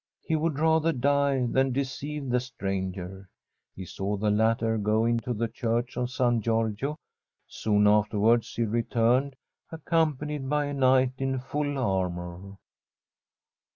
He would rather die than deceive the stranger. He saw the latter go into the Church of San Giorgio. Soon afterwards he returned, accompanied by a knight in full armour.